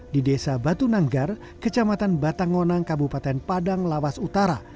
di desa batu nanggar kecamatan batangonang kabupaten padang lawas utara